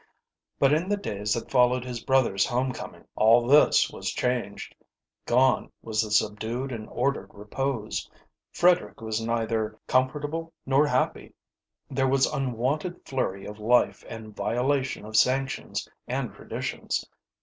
But in the days that followed his brother's home coming, all this was changed. Gone was the subdued and ordered repose. Frederick was neither comfortable nor happy. There was an unwonted flurry of life and violation of sanctions and traditions.